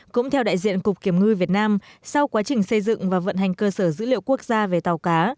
cũng theo đại diện cục kiểm ngư việt nam sau quá trình xây dựng và vận hành cơ sở dữ liệu quốc gia về tàu cá